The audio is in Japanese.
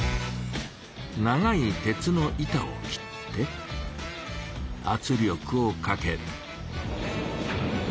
長い鉄の板を切ってあつ力をかけ。